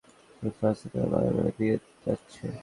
সাওভ্যাজ ফ্রান্সে তার বাগানবাড়ির দিকে যাচ্ছে।